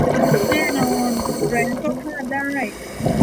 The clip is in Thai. แน่นอน แร้งก็พลาดได้